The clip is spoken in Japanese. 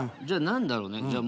じゃあ何だろうね。